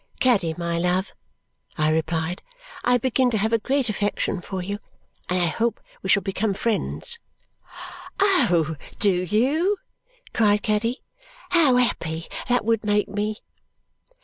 "Caddy, my love," I replied, "I begin to have a great affection for you, and I hope we shall become friends." "Oh, do you?" cried Caddy. "How happy that would make me!"